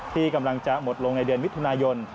ที่กำลังจะหมดลงในเดือนมิถุนายน